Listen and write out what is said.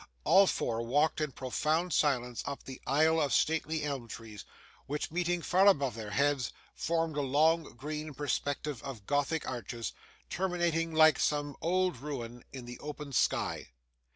All four walked in profound silence up the aisle of stately elm trees, which, meeting far above their heads, formed a long green perspective of Gothic arches, terminating, like some old ruin, in the open sky.